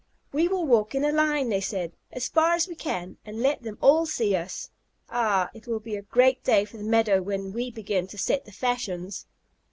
"We will walk in a line," they said, "as far as we can, and let them all see us. Ah, it will be a great day for the meadow when we begin to set the fashions!"